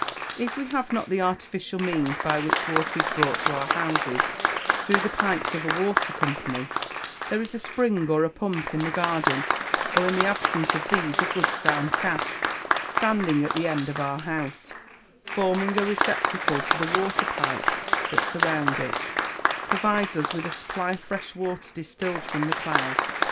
If we have not the artificial means by which water is brought to our houses, through the pipes of a water company, there is a spring or a pump in the garden; or in the absence of these, a good sound cask, standing at the end of our house, forming a receptacle to the water pipes that surround it, provides us with a supply of water distilled from the clouds.